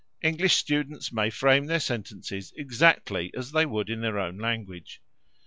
English students may frame their sentences exactly as they would in their own language.